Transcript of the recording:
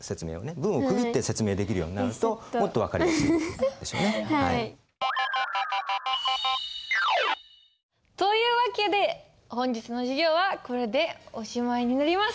文を区切って説明できるようになるともっと分かりやすいでしょうね。という訳で本日の授業はこれでおしまいになります！